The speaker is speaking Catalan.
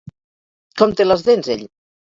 Com té les dents ell?